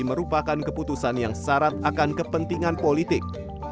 merupakan keputusan yang syarat akan kepentingan politik